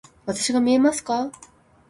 わたしが見えますか？